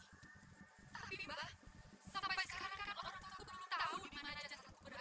tapi mbak sampai sekarang kan orang orang aku belum tahu di mana jasaku berada